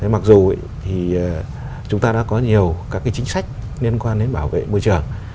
mặc dù chúng ta đã có nhiều các chính sách liên quan đến bảo vệ môi trường